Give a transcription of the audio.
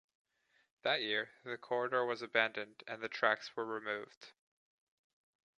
That year, the corridor was abandoned and the tracks were removed.